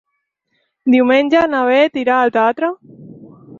Diumenge na Beth irà al teatre.